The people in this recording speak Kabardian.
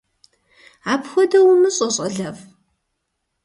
Апхуэдэу умыщӀэ, щӀалэфӀ!